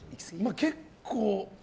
結構。